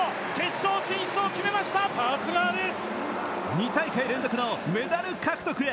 ２大会連続のメダル獲得へ。